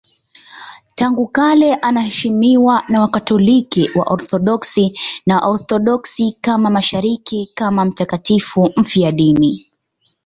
Tangu kale anaheshimiwa na Wakatoliki, Waorthodoksi na Waorthodoksi wa Mashariki kama mtakatifu mfiadini.